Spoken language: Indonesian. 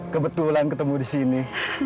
kebetulan ketemu disini